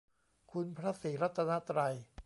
คุณพระศรีรัตนตรัย